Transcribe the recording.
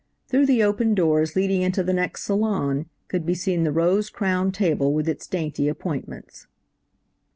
Through the open doors leading into the next salon could be seen the rose crowned table with its dainty appointments.